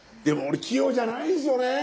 でも俺器用じゃないんすよね。